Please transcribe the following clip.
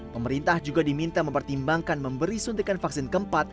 pemerintah juga diminta mempertimbangkan memberi suntikan vaksin keempat